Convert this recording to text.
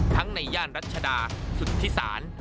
ในย่านรัชดาสุทธิศาล